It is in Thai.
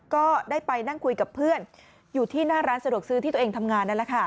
ก็ได้ไปนั่งคุยกับเพื่อนอยู่ที่หน้าร้านสะดวกซื้อที่ตัวเองทำงานนั่นแหละค่ะ